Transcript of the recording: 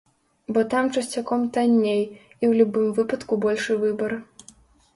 Бо там часцяком танней, і ў любым выпадку большы выбар.